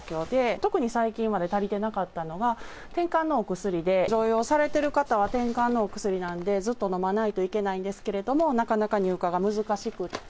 特に最近まで足りてなかったのが、てんかんのお薬で、常用されてる方はてんかんのお薬なんで、ずっと飲まないといけないんですけれども、なかなか入荷が難しくって。